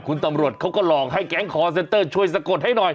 คุณตำรวจเขาก็หลอกให้แก๊งคอร์เซ็นเตอร์ช่วยสะกดให้หน่อย